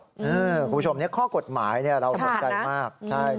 คุณผู้ชมข้อกฎหมายเราสนใจมาก